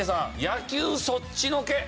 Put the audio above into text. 野球そっちのけ。